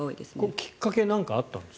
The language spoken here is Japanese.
きっかけ何かあったんですか？